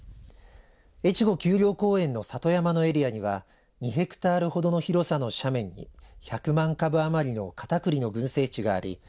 越後丘陵公園の里山のエリアには２ヘクタールほどの広さの斜面に１００万株余りのカタクリの群生地があり